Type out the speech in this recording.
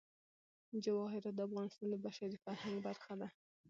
جواهرات د افغانستان د بشري فرهنګ برخه ده.